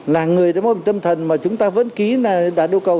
là người đó có tâm thần mà chúng ta vẫn ký là đã đô cầu